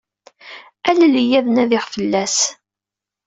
Alel-iyi ad nadiɣ fell-as.